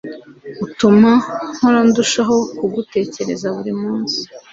Utuma mpora ndushaho kugutekerezaho buri munsi